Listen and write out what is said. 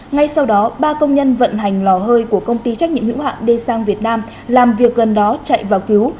ngay sau đó ba công nhân vận hành lò hơi của công ty trách nhiệm hữu hạn d sang việt nam làm việc gần đó chạy vào cứu